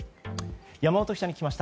山本記者に聞きました。